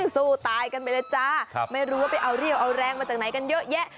สู้ตายกันไปเลยจ้าไม่รู้ว่าไปเอาเรี่ยวเอาแรงมาจากไหนกันเยอะแยะ